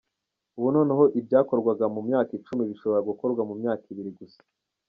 Ubu noneho ibyakorwaga mu myaka icumi bishobora gukorwa mu myaka ibiri gusa.